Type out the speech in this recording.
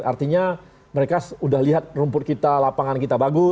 artinya mereka sudah lihat rumput kita lapangan kita bagus